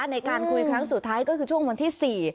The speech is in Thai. ในการคุยครั้งสุดท้ายก็คือช่วงวันที่๔